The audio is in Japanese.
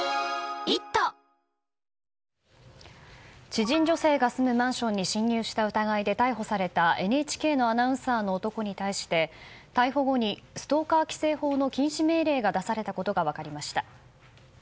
知人女性が住むマンションに侵入した疑いで逮捕された、ＮＨＫのアナウンサーの男に対して逮捕後にストーカー規制法の禁止命令が出されたことが分かりました。